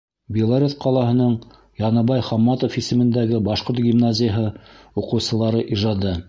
Белорет ҡалаһының Яныбай Хамматов исемендәге башҡорт гимназияһы уҡыусылары ижады